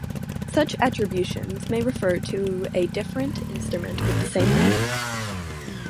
Such attributions may refer to a different instrument with the same name.